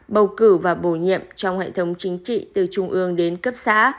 bầu cử và bổ nhiệm trong hệ thống chính trị từ trung ương đến cấp xã